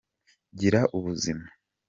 Gira ubuzima.